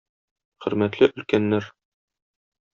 Хөрмәтле өлкәннәр!